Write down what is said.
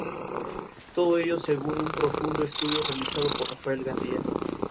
Este sistema desempeña un papel importante a la hora de combatir.